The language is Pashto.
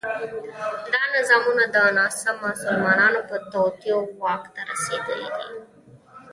دا نظامونه د نامسلمانو په توطیو واک ته رسېدلي دي.